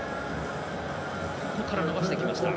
ここから伸ばしていきました。